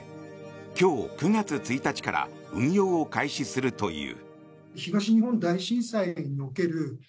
今日、９月１日から運用を開始するという。